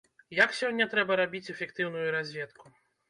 Як сёння трэба рабіць эфектыўную разведку?